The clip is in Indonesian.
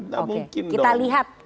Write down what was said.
tidak mungkin dong